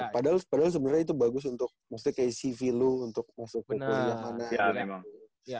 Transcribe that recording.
padahal sebenarnya itu bagus untuk maksudnya kayak cv lu untuk maksudnya